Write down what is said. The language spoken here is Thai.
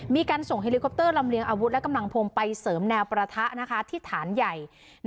มีการส่งเฮลิคอปเตอร์ลำเลียงอาวุธและกำลังพลไปเสริมแนวประทะที่ฐานใหญ่